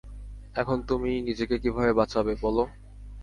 এখন তুমি নিজেকে কিভাবে বাঁচাবে, বলো?